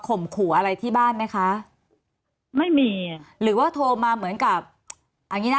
ขู่อะไรที่บ้านไหมคะไม่มีอ่ะหรือว่าโทรมาเหมือนกับเอางี้นะ